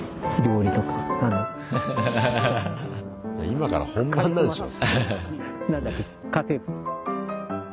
今から本番なんでしょ？